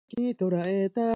山手線、新宿駅